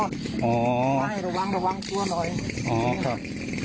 ให้ระวังระวังตัวหน่อยอ๋อครับ